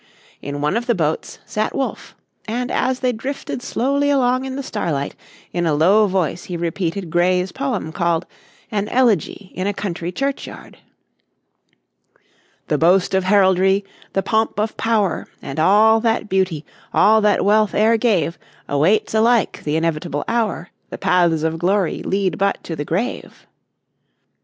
In one of the boats sat Wolfe, and as they drifted slowly along in the starlight in a low voice he repeated Gray's poem called an Elegy in a Country Churchyard: "The boast of heraldry, the pomp of power, And all that beauty, all that wealth e'er gave, Awaits alike th' inevitable hour, The paths of glory lead but to the grave."